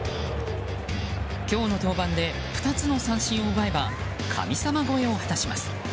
今日の登板で２つの三振を奪えば神様超えを果たします。